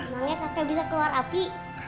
makanya kakek bisa keluar api